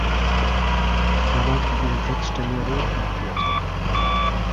Herbert hatte die Textstelle rot markiert.